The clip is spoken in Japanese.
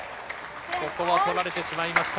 ここは取られてしまいました。